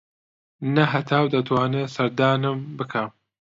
نە هەتاو ئەتوانێ سەردانم بکا